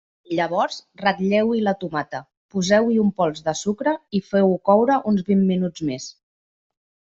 Llavors ratlleu-hi la tomata, poseu-hi un pols de sucre i feu-ho coure uns vint minuts més.